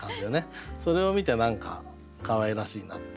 それを見て何かかわいらしいなっていうかね